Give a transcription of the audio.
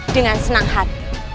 dengan senang hati